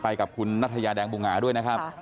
กับคุณนัทยาแดงบูหงาด้วยนะครับ